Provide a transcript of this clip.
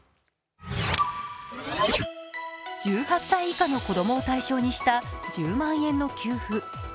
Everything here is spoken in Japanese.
１８歳以下の子供を対象にした１０万円の給付。